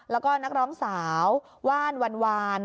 แล้วก็นักร้องสาวว่านวันวาน